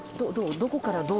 どこからどう。